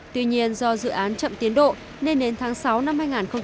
tuy nhiên do dự án chậm tiến độ nên đến tháng sáu năm hai nghìn một mươi tám